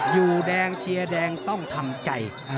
อยู่แดงเชียร์แดงต้องทำใจ